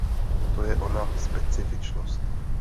To je ona specifičnost.